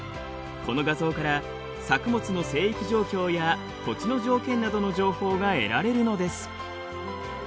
この画像から作物の生育状況や土地の条件などの情報が得られるのです。